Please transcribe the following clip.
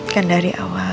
kan dari awal